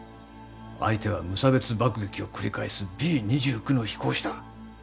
相手は無差別爆撃を繰り返すＢ２９の飛行士だ。